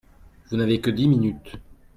Vous n’avez que dix minutes.